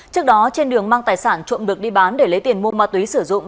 trước đó trên đường mang tài sản trộm được đi bán để lấy tiền mua ma túy sử dụng